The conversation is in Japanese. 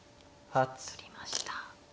取りました。